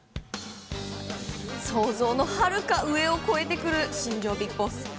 想像のはるか上を超えてくる新庄ビッグボス。